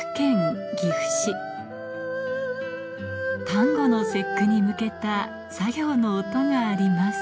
端午の節句に向けた作業の音があります